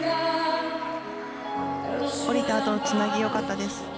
降り方とつなぎよかったです。